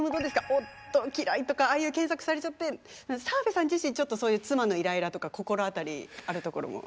「夫×嫌い」とかああいう検索されちゃって澤部さん自身ちょっとそういう妻のイライラとか心当たりあるところも。